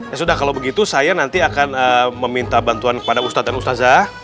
ya sudah kalau begitu saya nanti akan meminta bantuan kepada ustadz dan ustazah